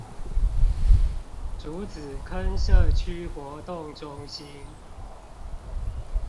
竹仔坑社區活動中心